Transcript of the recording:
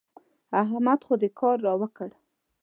احمد خو دې کار را وکړ.